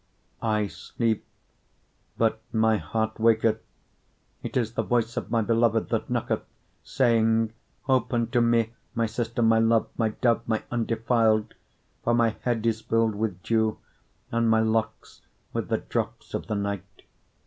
5:2 I sleep, but my heart waketh: it is the voice of my beloved that knocketh, saying, Open to me, my sister, my love, my dove, my undefiled: for my head is filled with dew, and my locks with the drops of the night.